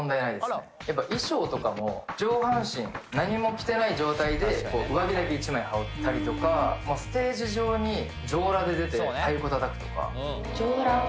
衣装とかも上半身何も着てない状態で上着だけ１枚羽織ったりとかステージ上に上裸で出て太鼓叩くとか上裸？